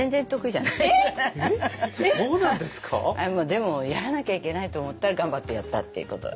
でもやらなきゃいけないと思ったら頑張ってやったっていうこと。